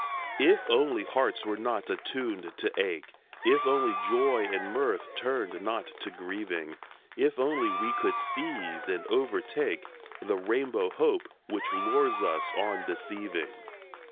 If only hearts were not attuned to ache, If only joy and mirth turned not to grieving, If only we could seize and overtake The rainbow Hope which lures us on deceiving